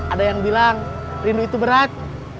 ada yang bilang rindu itu berat